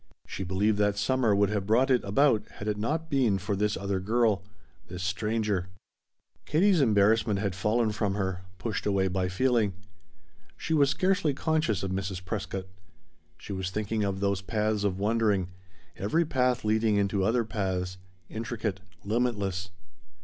She believed that summer would have brought it about had it not been for this other girl this stranger. Katie's embarrassment had fallen from her, pushed away by feeling. She was scarcely conscious of Mrs. Prescott. She was thinking of those paths of wondering, every path leading into other paths intricate, limitless.